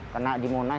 kena di monas itu